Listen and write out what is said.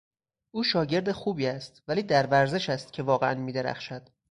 او شاگرد خوبی است ولی در ورزش است که واقعا میدرخشد.